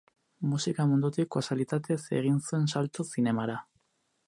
Musika mundutik kasualitatez egin zuen salto zinemara.